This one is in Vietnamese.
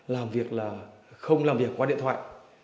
làm việc là không làm việc qua điện thoại